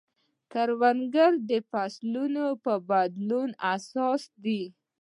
کروندګر د فصلونو په بدلون حساس دی